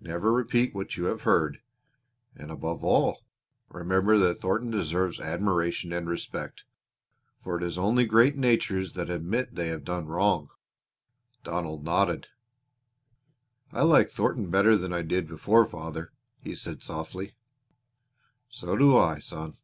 Never repeat what you have heard. And above all remember that Thornton deserves both admiration and respect, for it is only great natures that admit they have done wrong." Donald nodded. "I like Thornton better than I did before father," he said softly. "So do I, son!"